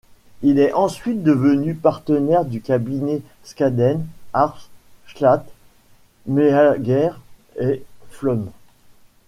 Il est ensuite devenu partenaire du cabinet Skadden, Arps, Slate, Meagher & Flom.